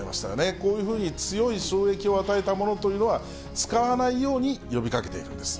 こういうふうに強い衝撃を与えたものというのは、使わないように呼びかけているんです。